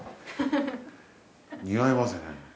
似合いますね。